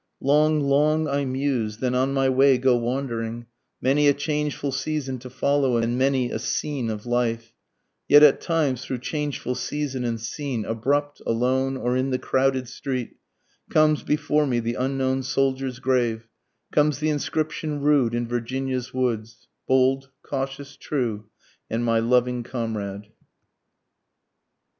_ Long, long I muse, then on my way go wandering, Many a changeful season to follow, and many a scene of life, Yet at times through changeful season and scene, abrupt, alone, or in the crowded street, Comes before me the unknown soldier's grave, comes the inscription rude in Virginia's woods, _Bold, cautious, true, and my loving comrade.